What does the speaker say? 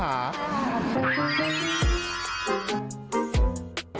ใช่ครับ